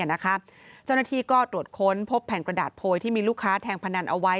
เจ้าหน้าที่ก็ตรวจค้นพบแผ่นกระดาษโพยที่มีลูกค้าแทงพนันเอาไว้